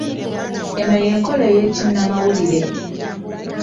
Eno y'enkola ey'ekinnamawulire.